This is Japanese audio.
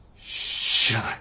知らない。